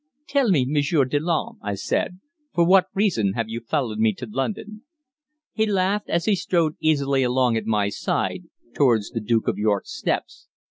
"Tell me, Monsieur Delanne," I said, "for what reason have you followed me to London?" He laughed as he strode easily along at my side towards the Duke of York's steps.